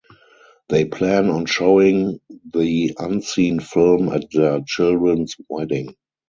They plan on showing the unseen film at their children's wedding.